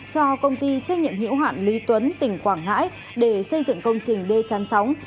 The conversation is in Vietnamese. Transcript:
cho công ty trách nhiệm hiểu hạn lý tuấn tỉnh quảng ngãi để xây dựng công trình đê chăn sóng